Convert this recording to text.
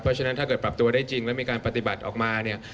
เพราะฉะนั้นถ้าเกิดปรับตัวได้จริงแล้วมีการปฏิบัติออกมาเนี่ย